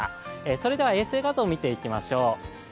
それでは衛星画像を見ていきましょう。